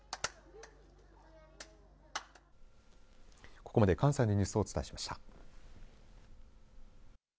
ここまで関西のニュースをお伝えしました。